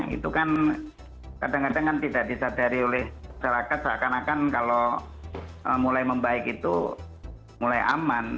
itu kan kadang kadang kan tidak disadari oleh masyarakat seakan akan kalau mulai membaik itu mulai aman